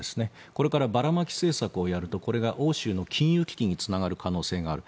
これからばらまき政策をやるとこれが欧州の金融危機につながる可能性がある。